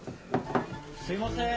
すいませーん！